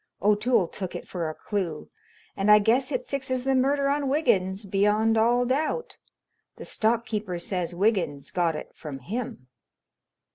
O'Toole took it for a clue and I guess it fixes the murder on Wiggins beyond all doubt. The stock keeper says Wiggins got it from him."